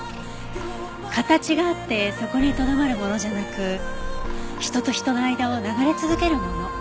形があってそこにとどまるものじゃなく人と人の間を流れ続けるもの。